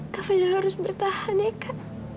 kak fadil harus bertahan ya kak